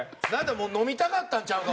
飲みたかったんちゃうか？